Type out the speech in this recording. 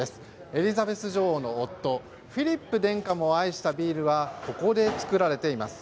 エリザベス女王の夫フィリップ殿下も愛したビールはここで作られています。